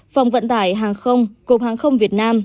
phòng vận tải hàng không cục hàng không việt nam